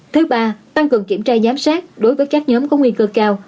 thứ ba tăng cường kiểm tra giám sát đối với các nhóm có nguy cơ cao